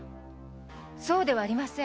そうではありません。